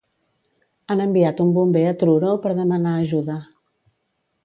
Han enviat un bomber a Truro per demanar ajuda.